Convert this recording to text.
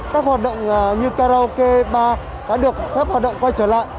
các hoạt động như karaoke ba đã được phép hoạt động quay trở lại